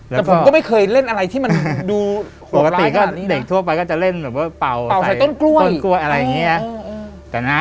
แล้วผมก็ไม่เคยเล่นอะไรที่มันดูหกร้ายขนาดนี้นะ